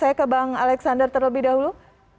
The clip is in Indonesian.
saya ke bang alexander terlebih dahulu